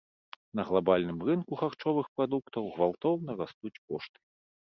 На глабальным рынку харчовых прадуктаў гвалтоўна растуць кошты.